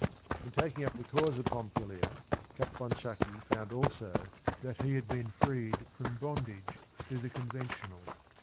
In taking up the cause of Pompilia, Capon sacchi found also that he had been freed from bondage to the conventional.